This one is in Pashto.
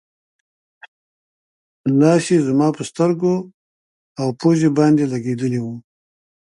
لاس یې زما پر سترګو او پوزې باندې لګېدلی و.